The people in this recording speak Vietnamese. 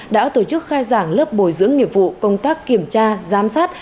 đã tổ chức khai giảng lớp bồi dưỡng nghiệp vụ công tác kiểm tra giám sát